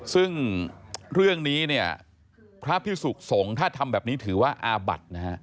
ซึ่งเรื่องนี้พระพิสุส่งถ้าทำแบบนี้ถือว่าอาบัติ